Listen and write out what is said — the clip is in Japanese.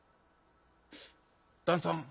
「旦さん